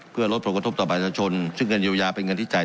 เพื่อลดผลกระทบต่อประชาชนซึ่งเงินเยียวยาเป็นเงินที่จ่าย